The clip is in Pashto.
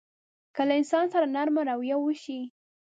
که له انسان سره نرمه رويه وشي.